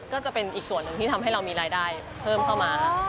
ก็จะเป็นอีกส่วนหนึ่งที่ทำให้เรามีรายได้เพิ่มเข้ามา